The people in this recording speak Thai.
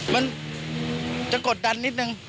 มันจะกดดันนิดนึง